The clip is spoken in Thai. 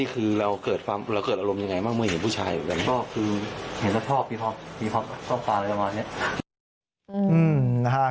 คือเห็นแล้วชอบพี่พลักษณ์ก็ชอบปลาอะไรประมาณนี้